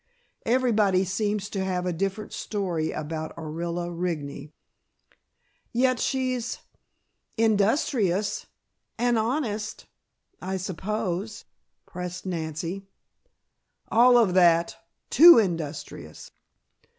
Everybody seems to have a different story about Orilla Rigney." "Yet she's industrious, and honest, I suppose," pressed Nancy. "All of that too industrious.